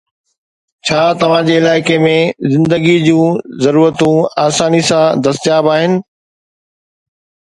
ڇا توهان جي علائقي ۾ زندگي جون ضرورتون آساني سان دستياب آهن؟